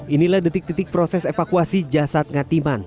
inilah detik detik proses evakuasi jasad ngatiman